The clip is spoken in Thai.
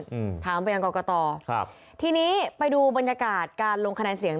อืมถามไปยังกรกตครับทีนี้ไปดูบรรยากาศการลงคะแนนเสียง